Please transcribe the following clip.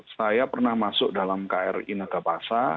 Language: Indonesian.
saya pernah masuk dalam kri nagapasa